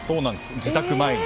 自宅前に。